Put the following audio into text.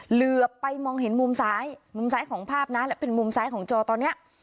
เหลือไปมองเห็นมุมซ้ายมุมซ้ายของภาพนะและเป็นมุมซ้ายของจอตอนนี้